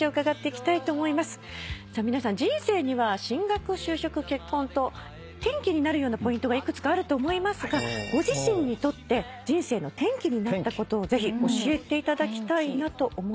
皆さん人生には進学就職結婚と転機になるようなポイントが幾つかあると思いますがご自身にとって人生の転機になったことをぜひ教えていただきたいなと思います。